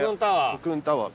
コクーンタワー。